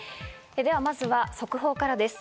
では、まずは速報からです。